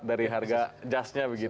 dari harga jasnya begitu